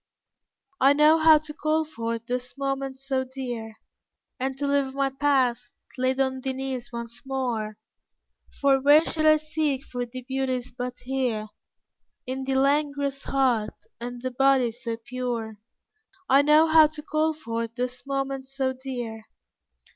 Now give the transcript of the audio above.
I know how to call forth those moments so dear, And to live my Past laid on thy knees once more, For where should I seek for thy beauties but here In thy langorous heart and thy body so pure? I know how to call forth those moments so dear.